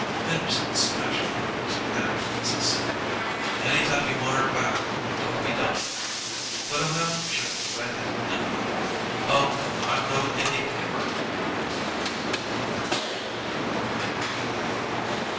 Henderson smashed on his Panama as he said: "Any time you want her back, don't be delicate." But O'Mally shook his red head and laughed. "Oh, I'm no Indian giver!"